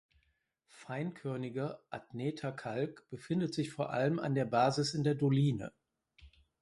Feinkörniger Adneter Kalk befindet sich vor allem an der Basis in der Doline.